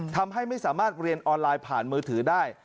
ทำให้ไม่สามารถเรียนออนไลน์ผ่านมือถือได้